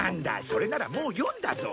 それならもう読んだぞ。